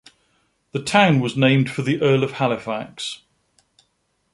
The town was named for the Earl of Halifax.